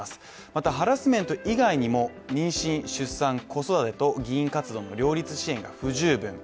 またハラスメント以外にも、妊娠、出産、子育てと議員活動の両立支援が不十分。